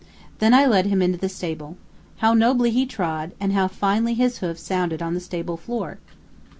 Then I led him into the stable. How nobly he trod, and how finely his hoofs sounded on the stable floor!